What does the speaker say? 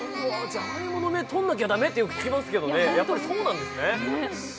じゃがいもの芽、取らなきゃ駄目ってよく聞きますけど、やっぱりそうなんですね。